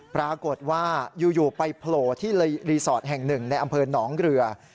ปรากฏว่าอยู่ไปโผล่ที่รีสอร์ทแห่งหนึ่งในอำเภอหนองเรือ